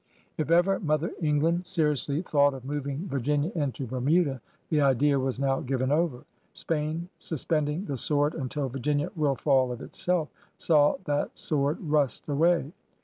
If ever Mother England seriously thought of moving Virginia into Bermuda, the idea was now given over. Spain, suspending the sword until Virginia ''will fall of itself e," saw that sword rust away.